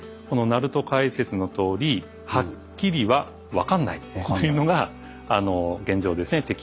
この鳴門解説のとおり「はっきりは分かんない」というのが現状ですね。